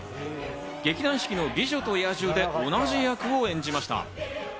劇団四季の『美女と野獣』で同じ役を演じました。